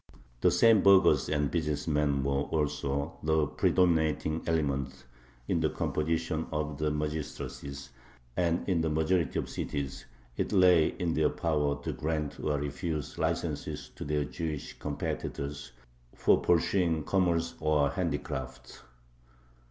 The same burghers and business men were also the predominating element in the composition of the magistracies, and in the majority of cities it lay in their power to grant or refuse licenses to their Jewish competitors for pursuing commerce or handicrafts.